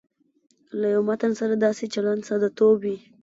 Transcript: له یوه متن سره داسې چلند ساده توب وي.